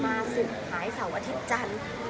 ศึกหายเสาร์อาทิตย์จันทร์